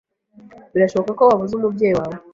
Birashoboka ko wabuze umubyeyi wawe